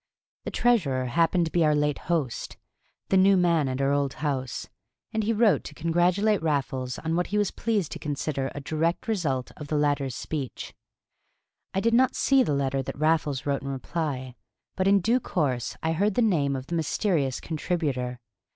The treasurer happened to be our late host, the new man at our old house, and he wrote to congratulate Raffles on what he was pleased to consider a direct result of the latter's speech. I did not see the letter that Raffles wrote in reply, but in due course I heard the name of the mysterious contributor.